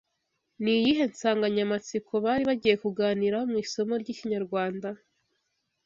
Ni iyihe nsanganyamatsiko bari bagiye kuganiraho mu isomo ry’Ikinyarwanda